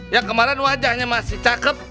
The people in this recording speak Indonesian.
yang kemarin wajahnya masih cakep